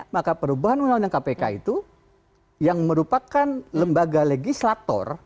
maka perubahan undang undang kpk itu yang merupakan lembaga legislator